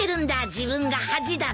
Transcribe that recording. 自分が恥だって。